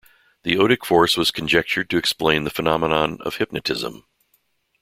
The Odic force was conjectured to explain the phenomenon of hypnotism.